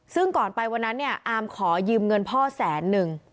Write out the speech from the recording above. ซึ่งก่อนไปวันนั้นเนี่ยอามขอยืมเงินพ่อแสนนึง